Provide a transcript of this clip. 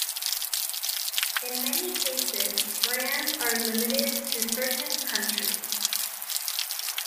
In many cases brands are limited to certain countries.